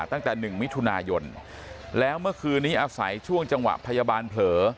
ตั้งแต่๑มิถุนายนแล้วเมื่อคืนนี้อาศัยช่วงจังหวะพยาบาลเผลอ